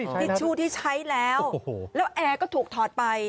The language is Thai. ใช่นะพิชชูที่ใช้แล้วโอ้โหแล้วแอร์ก็ถูกถอดไป